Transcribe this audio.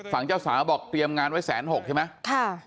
ฝั่งเจ้าสาวบอกเตรียมงานไว้๑๖๐๐ใช่ไหม